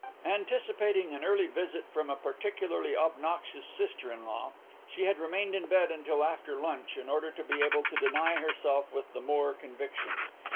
Anticipating an early visit from a particularly obnoxious sister in law, she had remained in bed until after lunch in order to be able to deny herself with the more conviction.